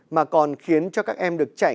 của mỗi người dân du khách